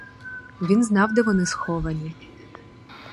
Він знав, де вони сховані.